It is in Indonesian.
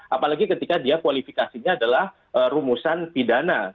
apalagi ketika dia kualifikasinya adalah rumusan pidana